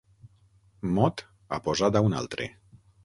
Mot aposat a un altre.